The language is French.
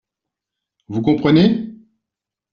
Vous comprenez ?